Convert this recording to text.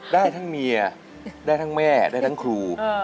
ได้ทั้งเมียได้ทั้งแม่ได้ทั้งครู